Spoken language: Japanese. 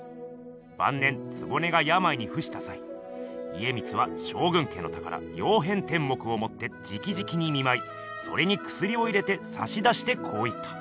ばん年局がやまいにふしたさい家光は将軍家の宝「曜変天目」をもってじきじきに見まいそれにくすりを入れてさしだしてこう言った。